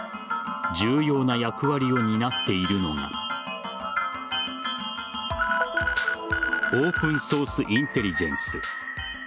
重要な役割を担っているのがオープンソースインテリジェンス。